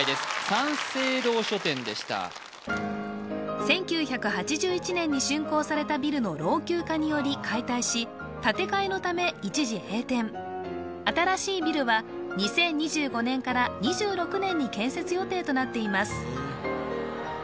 三省堂書店でした１９８１年に竣工されたビルの老朽化により解体し建て替えのため一時閉店新しいビルは２０２５２６年に建設予定となっています